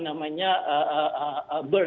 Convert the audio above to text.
mengalami kecemasan mengalami kecemasan